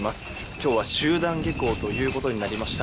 今日は集団下校ということになりました。